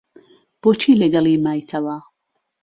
بۆچی لەگەڵی مایتەوە؟